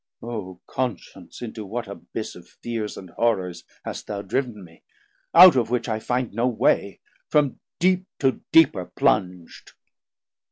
O Conscience, into what Abyss of fears And horrors hast thou driv'n me; out of which I find no way, from deep to deeper plung'd!